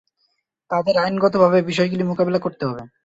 তাদের আইনগতভাবে বিষয়গুলি মোকাবেলা করতে হবে।